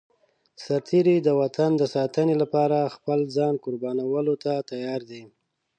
سرتېری د وطن د ساتنې لپاره خپل ځان قربانولو ته تيار دی.